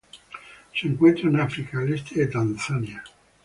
Se encuentran en África: al este de Tanzania.